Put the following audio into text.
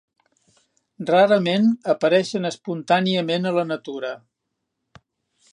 Rarament apareixen espontàniament a la natura.